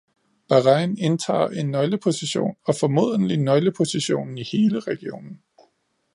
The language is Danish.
Bahrain indtager en nøgleposition og formodentlig nøglepositionen i hele regionen.